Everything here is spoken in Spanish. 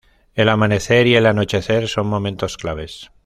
El amanecer y el anochecer son momentos claves.